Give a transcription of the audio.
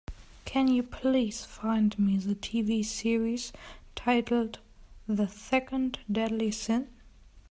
Can you please find me the TV series titled The Second Deadly Sin?